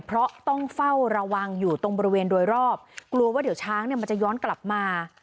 เพราะต้องเฝ้าระวังอยู่ตรงบริเวณโดยรอบกลัวว่าเดี๋ยวช้างเนี่ยมันจะย้อนกลับมา